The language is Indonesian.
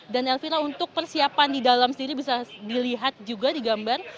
dan elvira untuk persiapan di dalam sendiri bisa dilihat juga di gambar